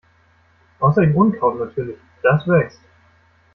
Außer dem Unkraut natürlich, das wächst.